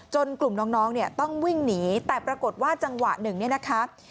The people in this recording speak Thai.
จนกลุ่มน้องต้องวิ่งหนีแต่ปรากฏว่าจังหวะ๑เนี่ยนะคะ